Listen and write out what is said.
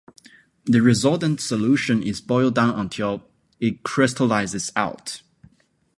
The resultant solution is boiled down until it crystallizes out.